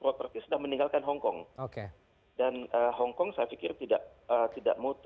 bagaimana kemudian ini akan berujung pak